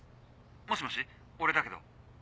もしもし俺だけど。